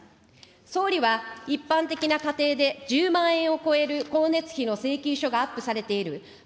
総理は、一般的な家庭で１０万円を超える光熱費の請求書がアップされている、＃